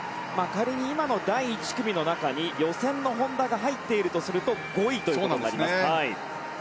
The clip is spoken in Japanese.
仮に今の第１組の中に予選の本多が入っているとすると５位ということになります。